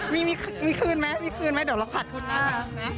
มีมีขึ้นมั้ยเดี๋ยวเราผ่าทุนหน้า